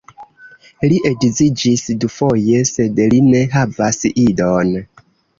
Li edziĝis dufoje, sed li ne havas idon.